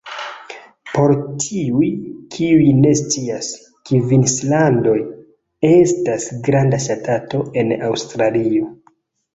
Por tiuj, kiuj ne scias, Kvinslando estas granda ŝtato en Aŭstralio.